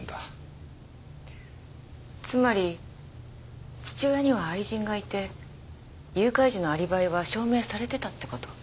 つまり父親には愛人がいて誘拐時のアリバイは証明されてたって事？